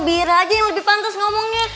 biar aja yang lebih pantas ngomongnya